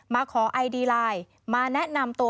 มาขอไอดีไลน์มาแนะนำตัว